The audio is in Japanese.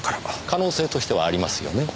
可能性としてはありますよね。